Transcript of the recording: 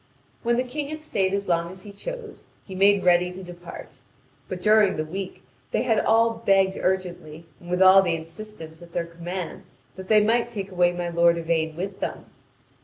When the King had stayed as long as he chose, he made ready to depart. But during the week they had all begged urgently, and with all the insistence at their command, that they might take away my lord Yvain with them.